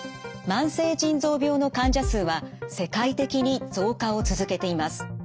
慢性腎臓病の患者数は世界的に増加を続けています。